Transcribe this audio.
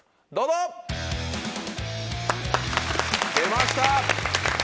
出ました！